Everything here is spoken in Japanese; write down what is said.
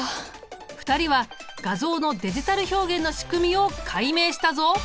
２人は画像のデジタル表現の仕組みを解明したぞ。